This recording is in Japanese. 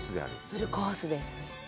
フルコースです。